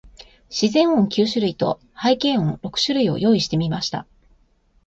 自然音九種類と、背景音六種類を用意してみました。